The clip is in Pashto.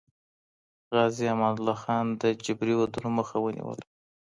غازي امان الله خان د جبري ودونو مخه ونیوله.